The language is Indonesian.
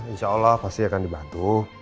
insya allah pasti akan dibantu